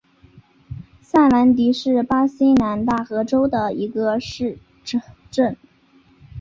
萨兰迪是巴西南大河州的一个市镇。